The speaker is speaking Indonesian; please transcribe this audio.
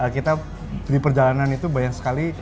kita di perjalanan itu banyak sekali